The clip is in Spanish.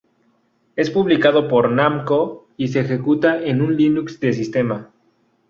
Es publicado por Namco, y se ejecuta en un Linux de sistema.